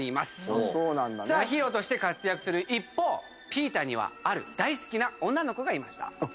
さあヒーローとして活躍する一方ピーターにはある大好きな女の子がいました。